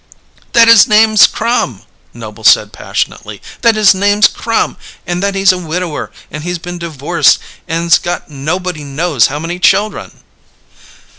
"That his name's Crum!" Noble said passionately. "That his name's Crum and that he's a widower and he's been divorced and's got nobody knows how many children!"